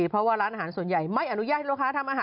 เพราะว่าร้านอาหารส่วนใหญ่ไม่อนุญาตให้ลูกค้าทำอาหาร